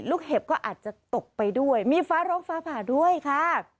เห็บก็อาจจะตกไปด้วยมีฟ้าร้องฟ้าผ่าด้วยค่ะ